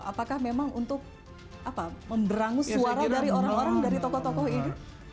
apakah memang untuk memberangus suara dari orang orang dari tokoh tokoh ini